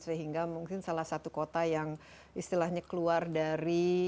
sehingga mungkin salah satu kota yang istilahnya keluar dari